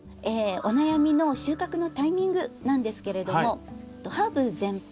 お悩みの収穫のタイミングなんですけれどもハーブ全般